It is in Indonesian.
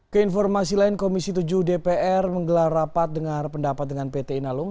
keinformasi lain komisi tujuh dpr menggelar rapat dengar pendapat dengan pt inalum